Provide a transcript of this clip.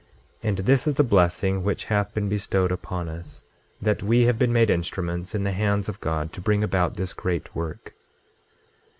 And this is the blessing which hath been bestowed upon us, that we have been made instruments in the hands of God to bring about this great work.